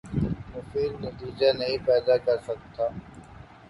مفید نتیجہ نہیں پیدا کر سکتا